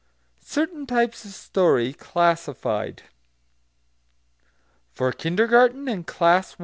CERTAIN TYPES OF STORY CLASSIFIED FOR KINDERGARTEN AND CLASS I.